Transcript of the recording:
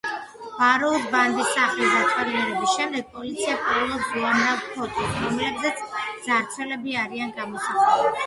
ბაროუს ბანდის სახლის დათვალიერების შემდგომ პოლიცია პოულობს უამრავ ფოტოს, რომლებზეც მძარცველები არიან გამოსახულნი.